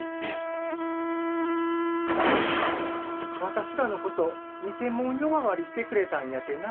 私らのこと偽物呼ばわりしてくれたんやてな。